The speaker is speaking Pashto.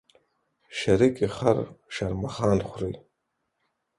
شريکي خر شرمښآن خوري.